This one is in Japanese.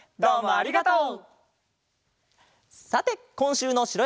ありがとう。